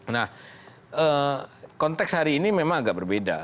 nah konteks hari ini memang agak berbeda